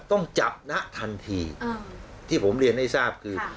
ต้องจับนะทันทีที่ผมเรียนให้ทราบคือ